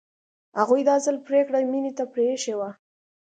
هغوی دا ځل پرېکړه مينې ته پرېښې وه